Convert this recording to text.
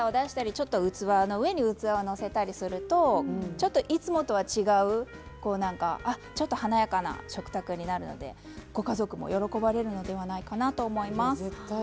器の上に器をのせるとちょっと、いつもとは違うちょっと華やかな食卓になるので、ご家族にも喜ばれるのではないかと思います。